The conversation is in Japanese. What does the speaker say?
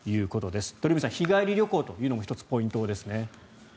鳥海さん、日帰り旅行というのも１つポイントですね。